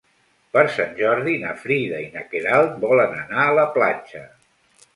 Per Sant Jordi na Frida i na Queralt volen anar a la platja.